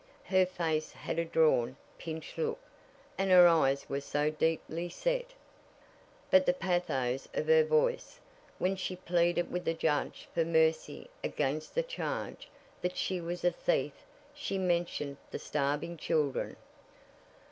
Her face had a drawn, pinched look, and her eyes were so deeply set. But the pathos of her voice! When she pleaded with the judge for mercy against the charge that she was a thief she mentioned the starving children.